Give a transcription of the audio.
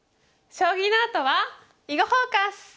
将棋のあとは「囲碁フォーカス」！